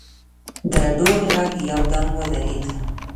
د ډول غږ یو دم ودرېد.